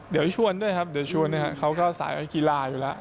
เดี๋ยวชวนด้วยครับเดี๋ยวชวนนะครับเขาก็สายกีฬาอยู่แล้ว